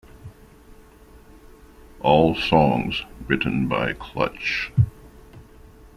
All songs written by Clutch.